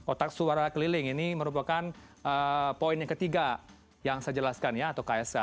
kotak suara keliling ini merupakan poin yang ketiga yang saya jelaskan ya atau ksk